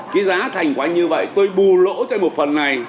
cái giá thành của anh như vậy tôi bù lỗ cho một phần này